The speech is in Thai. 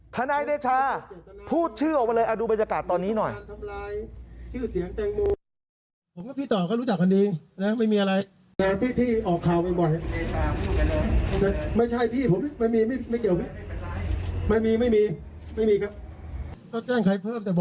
นายเดชาพูดชื่อออกมาเลยดูบรรยากาศตอนนี้หน่อย